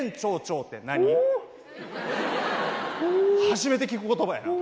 初めて聞く言葉やな。